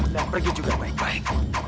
pergi juga baik baik